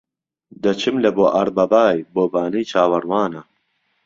دەچم لە بۆ ئەڕبابای بۆ بانەی چاوەڕوانە